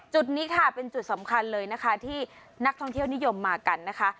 จุดนี้ค่ะเป็นจุดสำคัญเลยนะคะที่นักท่องเที่ยวนิยมมากันนะคะ